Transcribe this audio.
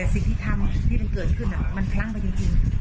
สิ่งที่ทำที่มันเกิดขึ้นมันพลั้งไปจริง